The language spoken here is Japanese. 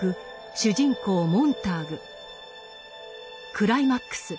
クライマックス。